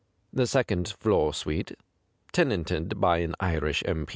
The second floor suite, tenanted by an Irish M.